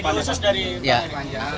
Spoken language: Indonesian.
strategi khusus dari pak erick